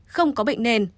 không có bệnh nền